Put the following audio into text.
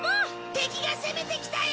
敵が攻めてきたよ！